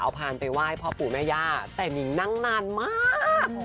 เอาพานไปไหว้พ่อปู่แม่ย่าแต่นิงนั่งนานมาก